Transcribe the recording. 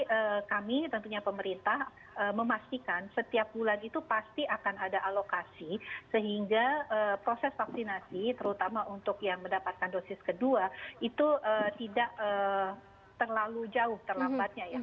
kami tentunya pemerintah memastikan setiap bulan itu pasti akan ada alokasi sehingga proses vaksinasi terutama untuk yang mendapatkan dosis kedua itu tidak terlalu jauh terlambatnya ya